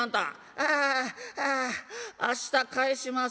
「ああああ明日返します」。